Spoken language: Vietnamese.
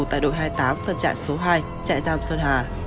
tại đội hai mươi tám phân trạng số hai trại giam xuân hà